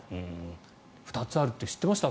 ２つあるって知ってました？